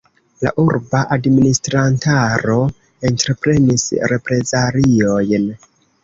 La urba administrantaro entreprenis reprezaliojn.